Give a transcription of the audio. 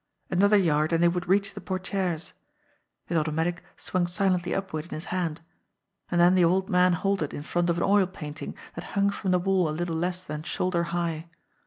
Another yard and they would reach the por tieres. His automatic swung silently upward in his hand. And then the old man halted in front of an oil painting that hung from the wall a little less than shoulder high.